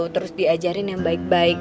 terus diajarin yang baik baik